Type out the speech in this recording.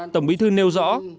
tổng bí thư nêu rõ